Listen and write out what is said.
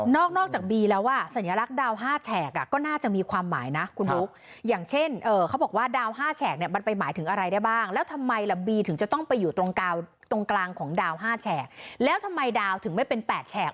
นอกจากบีแล้วสัญลักษณ์ดาว๕แฉกก็น่าจะมีความหมายนะคุณบุ๊คอย่างเช่นเขาบอกว่าดาว๕แฉกเนี่ยมันไปหมายถึงอะไรได้บ้างแล้วทำไมล่ะบีถึงจะต้องไปอยู่ตรงกลางของดาว๕แฉกแล้วทำไมดาวถึงไม่เป็น๘แฉก